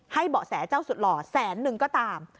เบาะแสเจ้าสุดหล่อแสนนึงก็ตาม